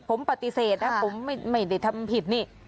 ผมปฏิเสธนะผมไม่ได้ทำผิดนี่